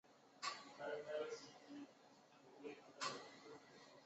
诊断过程通常会将个案的父母意见及师长意见列入考量。